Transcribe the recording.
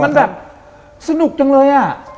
แต่มันแบบสนุกจังเลย